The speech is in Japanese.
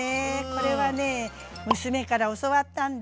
これはね娘から教わったんだ。